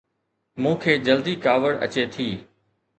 مون کي جلدي ڪاوڙ اچي ٿي